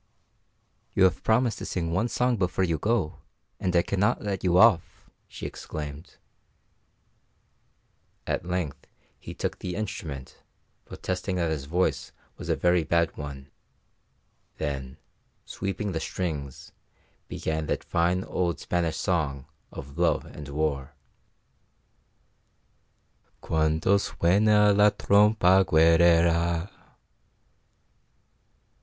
"You have promised to sing one song before you go, and I cannot let you off," she exclaimed. At length he took the instrument, protesting that his voice was a very bad one; then, sweeping the strings, began that fine old Spanish song of love and war: "Cuando suena la trompa guerrera."